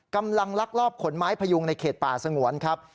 ลักลอบขนไม้พยุงในเขตป่าสงวนครับ